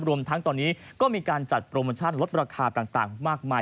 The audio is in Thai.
รวมทั้งตอนนี้ก็มีการจัดโปรโมชั่นลดราคาต่างมากมาย